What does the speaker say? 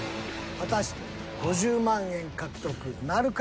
果たして５０万円獲得なるか！？